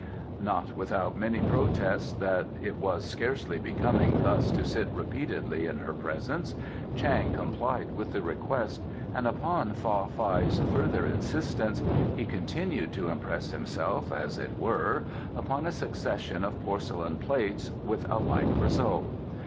Not without many protests that it was scarcely becoming thus to sit repeatedly in her presence, Chang complied with the request, and upon Fa Fai's further insistence he continued to impress himself, as it were, upon a succession of porcelain plates, with a like result.